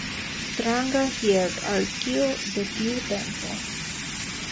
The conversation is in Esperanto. Stranga hierarkio de tiu tempo.